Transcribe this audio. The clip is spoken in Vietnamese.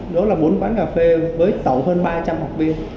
đó là bốn quán cà phê với tổng hơn ba trăm linh học viên